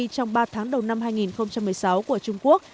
trong ba tháng đầu năm hai nghìn một mươi sáu của trung quốc